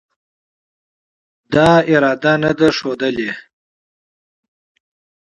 دا اراده نه ده ښودلې